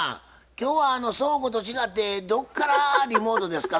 今日は倉庫と違ってどっからリモートですか？